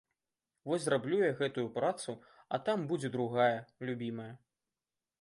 Вось зраблю я гэтую працу, а там будзе другая, любімая.